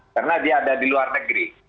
karena dia ada di luar negeri